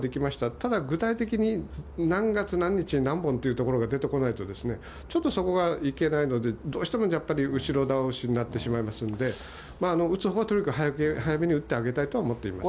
ただ、具体的に何月何日に何本というところが出てこないと、ちょっとそこがいけないので、どうしてもやっぱり後ろ倒しになってしまいますんで、打つほうはとにかく早めに打ってあげたいとは思っています。